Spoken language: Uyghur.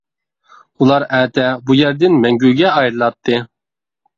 ئۇلار ئەتە بۇ يەردىن مەڭگۈگە ئايرىلاتتى.